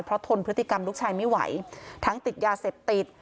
เพราะทนพฤติกรรมลูกชายไม่ไหวทั้งติดยาเสพติด